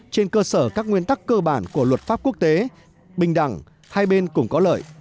trên cơ sở các nguyên tắc cơ bản của luật pháp quốc tế bình đẳng hai bên cũng có lợi